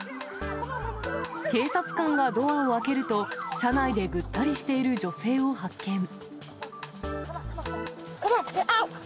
警察官がドアを開けると、車内でぐったりしている女性を発見。